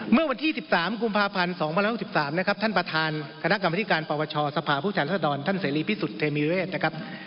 เมื่อวันที่๑๓กุมภาพันธ์๒๐๑๓นะครับท่านประธานการกรรมพิธีการปวชสภาพุทธธรรษฎรท่านเสรีพิสุทธิ์เทมิเวรตนะครับ